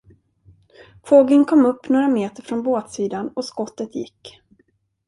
Fågeln kom upp några meter från båtsidan och skottet gick.